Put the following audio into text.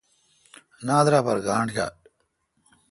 نادرا پر گانٹھ یال۔